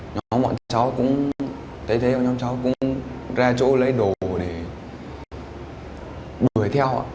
nhóm bọn cháu cũng ra chỗ lấy đồ để đuổi theo